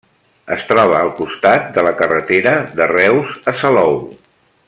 Es troba al costat de la carretera de Reus a Salou.